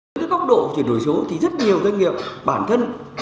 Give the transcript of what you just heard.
với cái góc độ chuyển đổi số thì rất nhiều doanh nghiệp bản thân